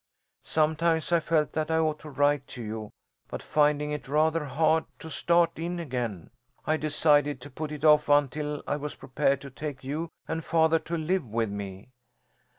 Sometimes I felt that I ought to write to you, but finding it rather hard to start in again, I decided to put it off until I was prepared to take you and father to live with me.